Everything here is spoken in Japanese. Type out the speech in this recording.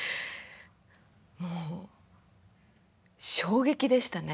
もう衝撃でしたね。